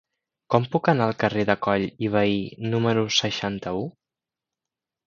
Com puc anar al carrer de Coll i Vehí número seixanta-u?